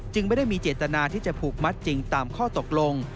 ไม่ได้มีเจตนาที่จะผูกมัดจริงตามข้อตกลง